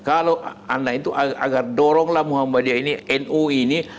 kalau anda itu agar doronglah muhammadiyah ini noi ini